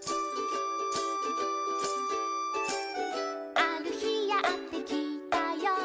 「あるひやってきたよ」